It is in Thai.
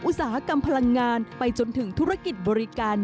อุตสาหกรรมพลังงานไปจนถึงธุรกิจบริการ